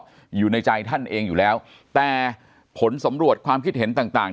ก็อยู่ในใจท่านเองอยู่แล้วแต่ผลสำรวจความคิดเห็นต่างต่าง